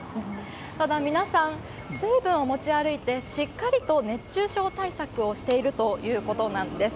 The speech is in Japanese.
ただ、皆さん、水分を持ち歩いて、しっかりと熱中症対策をしているということなんです。